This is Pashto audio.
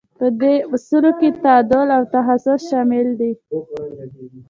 په دې اصولو کې تعادل او تخصص شامل دي.